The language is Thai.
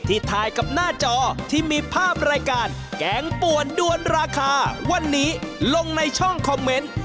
ถ่ายกับหน้าจอที่มีภาพรายการแกงป่วนด้วนราคาวันนี้ลงในช่องคอมเมนต์